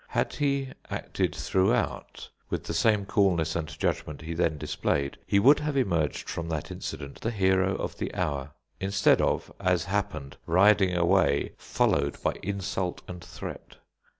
Had he acted throughout with the same coolness and judgment he then displayed, he would have emerged from that incident the hero of the hour, instead of, as happened, riding away followed by insult and threat.